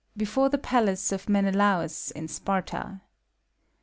BEFORE THE PALACE OF MENELAUS IN SPARTA.